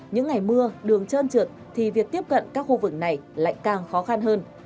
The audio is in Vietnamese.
những ngày mưa đường trơn trượt thì việc tiếp cận các khu vực này lại càng khó khăn hơn